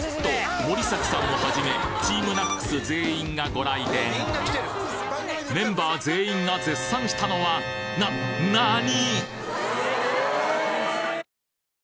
森崎さんを始めＴＥＡＭＮＡＣＳ全員がご来店メンバー全員が絶賛したのはななに！